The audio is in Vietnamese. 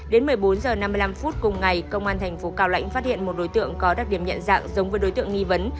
đến một mươi bốn h năm mươi năm phút cùng ngày công an thành phố cao lãnh phát hiện một đối tượng có đặc điểm nhận dạng giống với đối tượng nghi vấn